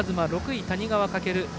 ６位、谷川翔。